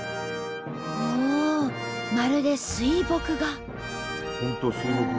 おおまるで水墨画。